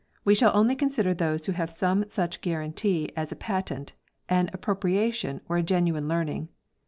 We shall only consider those who have some such guarantee as a patent, an appropriation, or genuine learn ing.